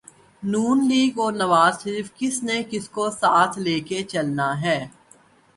نون league اور نوازشریف کس نے کس کو ساتھ لے کے چلنا ہے۔